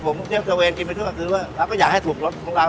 ผมเที่ยวตะเวนกินไปทั่วคือว่าเราก็อยากให้ถูกรสของเรา